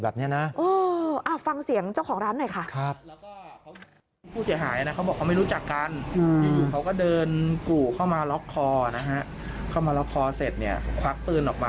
ถ้าเกิดว่ากระสุนเข้ามามาโดนน่ะนะ